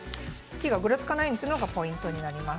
木がぐらつかないようにするのがポイントになります。